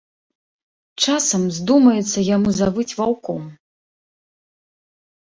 Часам здумаецца яму завыць ваўком.